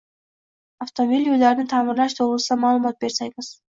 Avtomobil yo‘llarini ta’mirlash to‘g‘risida ma’lumot bersangiz?